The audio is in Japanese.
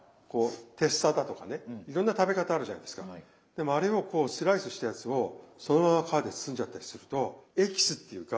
でもあれをこうスライスしたやつをそのまま皮で包んじゃったりするとエキスっていうか